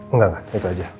enggak enggak itu aja